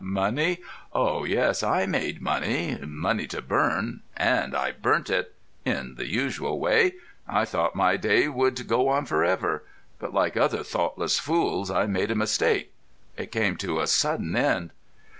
"Money? Oh, yes, I made money—money to burn—and I burnt it—in the usual way. I thought my day would go on for ever, but, like other thoughtless fools, I made a mistake. It came to a sudden end."